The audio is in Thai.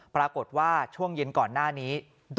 ปรากฏว่าช่วงเย็นก่อนหน้านี้